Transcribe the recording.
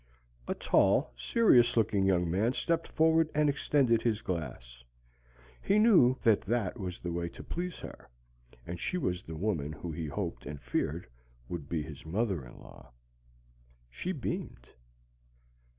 A tall, serious looking young man stepped forward and extended his glass. He knew that that was the way to please her, and she was the woman who he hoped and feared would be his mother in law. She beamed.